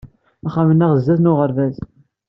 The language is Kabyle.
Axxam-nneɣ sdat n uɣerbaz.